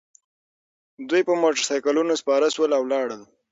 دوی په موټرسایکلونو سپاره شول او لاړل